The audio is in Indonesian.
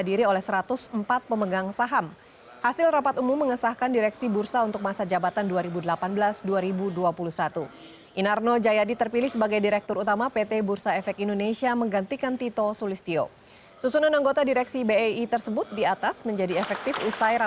bursa efek indonesia memiliki direksi baru selama tiga tahun ke depan inarno jayadi resmi menggantikan tito sulistyo sebagai direktur utama pt bursa efek indonesia